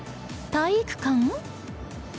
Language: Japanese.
体育館？